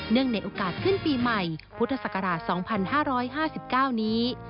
ในโอกาสขึ้นปีใหม่พุทธศักราช๒๕๕๙นี้